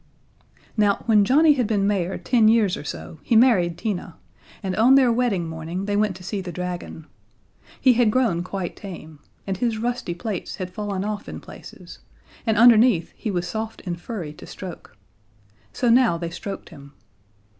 Now, when Johnnie had been mayor ten years or so he married Tina, and on their wedding morning they went to see the dragon. He had grown quite tame, and his rusty plates had fallen off in places, and underneath he was soft and furry to stroke. So now they stroked him.